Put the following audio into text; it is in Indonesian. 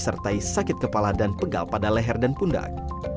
gejala juga menyertai sakit kepala dan pegal pada leher dan pundak